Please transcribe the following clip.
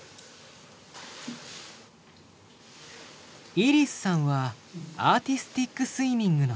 イリスさんはアーティスティックスイミングの選手。